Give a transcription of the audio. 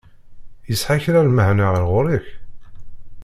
Yesεa kra n lmeεna ɣer ɣur-k?